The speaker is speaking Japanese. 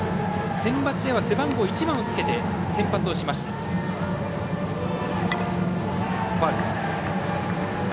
センバツでは背番号１番をつけて先発しました。